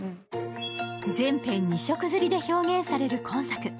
全編２色刷りで表現される今作。